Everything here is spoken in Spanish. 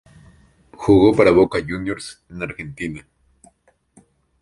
Jugó para Boca Juniors en Argentina.